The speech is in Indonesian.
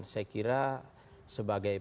saya kira sebagai